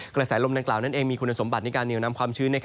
กระแสลมดังกล่าวนั้นเองมีคุณสมบัติในการเหนียวนำความชื้น